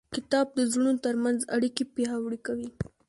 کتاب د زړونو ترمنځ اړیکې پیاوړې کوي.